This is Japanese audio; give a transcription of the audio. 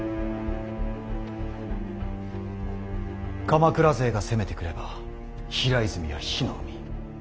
鎌倉勢が攻めてくれば平泉は火の海。